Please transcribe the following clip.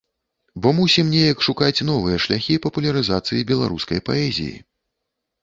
Бо мусім неяк шукаць новыя шляхі папулярызацыі беларускай паэзіі.